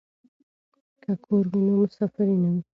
که کور وي نو مسافري نه وي.